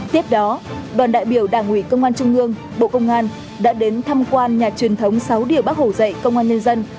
tiếp đó đoàn đại biểu đảng ủy công an trung ương bộ công an đã đến tham quan nhà truyền thống sáu điểu bắc hồ dậy công an nhân dân